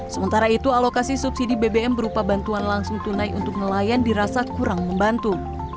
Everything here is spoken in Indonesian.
sementara itu alokasi subsidi bbm berupa bantuan langsung tunai untuk nelayan dirasa kurang membantu